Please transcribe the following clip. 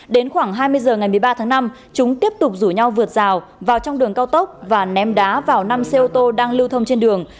đến khoảng hai mươi h ngày một mươi ba tháng năm chúng tiếp tục rủ nhau vượt rào vào trong đường cao tốc và ném đá vào năm xe ô tô đang lưu thông trên đường